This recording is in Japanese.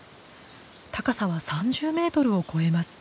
高さは３０メートルを超えます。